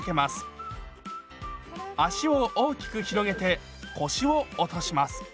足を大きく広げて腰を落とします。